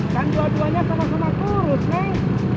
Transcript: kan dua duanya sama sama kurus nek